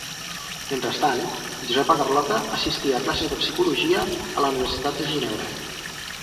Mentrestant, Josepa Carlota assistí a classes de psicologia a la Universitat de Ginebra.